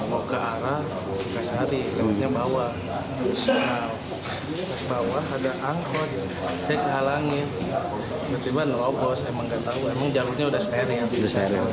mau ke arah sukasarinya bawah ada angkot saya kehalangin tiba tiba nerobos emang gak tahu emang jalurnya udah steril